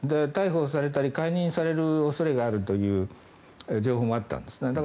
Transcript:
逮捕されたり解任される恐れがあるという情報もあったんですね。